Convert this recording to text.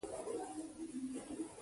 وردک ولایت ډیر ښایسته دی.